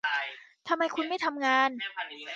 ทำไมคุณไม่ทำงาน